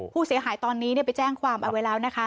ผู้เสียหายตอนนี้ไปแจ้งความเอาไว้แล้วนะคะ